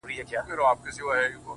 o ستا تصوير خپله هينداره دى زما گراني ـ